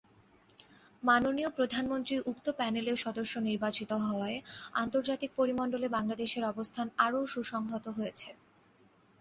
মাননীয় প্রধানমন্ত্রী উক্ত প্যানেলের সদস্য নির্বাচিত হওয়ায় আন্তর্জাতিক পরিমণ্ডলে বাংলাদেশের অবস্থান আরও সুসংহত হয়েছে।